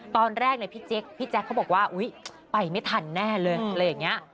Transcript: ตอนแรกพี่แจ๊กเขาบอกว่าอุ๊ยไปไม่ทันแน่เลยอะไรอย่างนี้